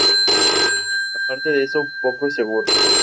Aparte de eso, poco es seguro.